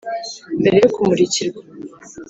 mbere yo kumurikirwa,